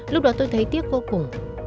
lúc đó tôi thấy tiếc vô cùng